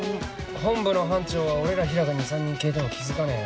本部の班長は俺らヒラが２３人消えても気付かねえよ。